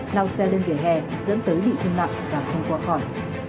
lao xe lên vỉa hè dẫn tới bị thương nặng và không qua khỏi